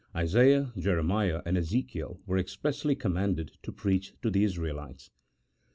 Isaiah, Jeremiah, and Ezekiel were expressly commanded to preach to the Israelites.